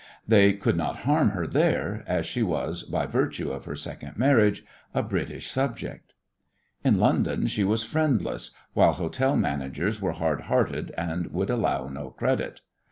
They could not harm her there, as she was, by virtue of her second marriage, a British subject. In London she was friendless, while hotel managers were hard hearted and would allow no credit.